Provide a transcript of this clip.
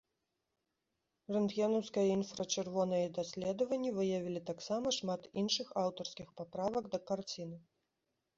Рэнтгенаўскае і інфрачырвонае даследаванні выявілі таксама шмат іншых аўтарскіх паправак да карціны.